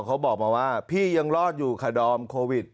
เขาบอกมาว่าพี่ยังรอดอยู่ค่ะดอมโควิด